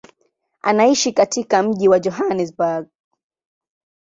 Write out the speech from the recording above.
Anaishi katika mji wa Johannesburg.